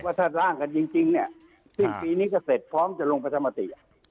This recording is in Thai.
ท่านร่างกันจริงเนี่ยสิ้นปีนี้ก็เสร็จพร้อมจะลงประชามติ